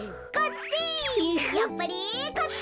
やっぱりこっち！